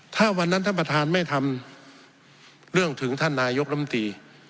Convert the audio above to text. ถ้าวันนั้นท่านประธานไม่ทำเรื่องถึงท่านนายกรมตี